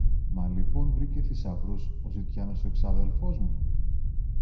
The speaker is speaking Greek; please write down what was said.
Μα λοιπόν βρήκε θησαυρούς ο ζητιάνος ο εξάδελφος μου;